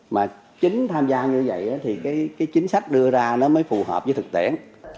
mà chính tham gia như vậy thì cái chính sách đưa ra nó mới phù hợp với thực tiễn